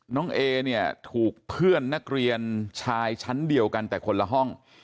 เอเนี่ยถูกเพื่อนนักเรียนชายชั้นเดียวกันแต่คนละห้อง